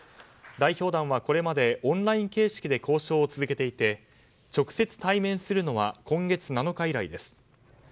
代表団はこれまでオンライン形式で交渉を続けていて直接対面するのは今月７日以来です。